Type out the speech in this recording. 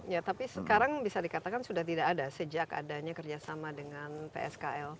ya tapi sekarang bisa dikatakan sudah tidak ada sejak adanya kerjasama dengan pskl